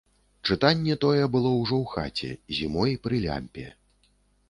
Чытанне тое было ўжо ў хаце, зімой, пры лямпе.